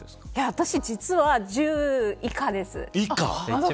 私、実は１０以下です。